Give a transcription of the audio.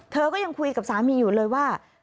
เธอก็ยังคุยกับสามีอยู่เลยว่า